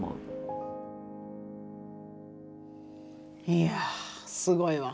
いやすごいわ。